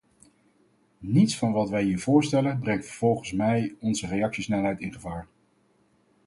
Niets van wat hij hier voorstellen brengt volgens mij onze reactiesnelheid in gevaar.